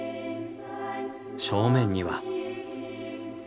正面には。